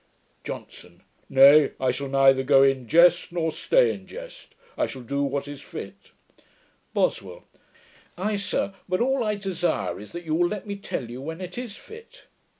JOHNSON. 'Nay, I shall neither go in jest, nor stay in jest. I shall do what is fit.' BOSWELL. 'Ay, sir, but all I desire is, that you will let me tell you when it is fit.'